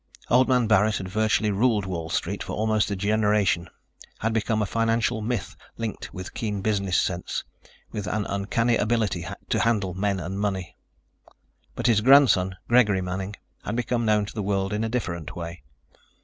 Old Man Barret had virtually ruled Wall Street for almost a generation, had become a financial myth linked with keen business sense, with an uncanny ability to handle men and money. But his grandson, Gregory Manning, had become known to the world in a different way.